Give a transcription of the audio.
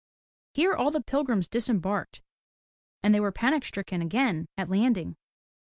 Here, all the pilgrims disembarked, and they were panic stricken again at landing.